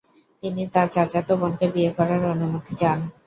তিনি তার চাচাত বোনকে বিয়ে করার অনুমতি চান।